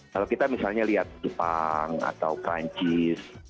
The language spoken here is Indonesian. kalau kita misalnya lihat jepang atau perancis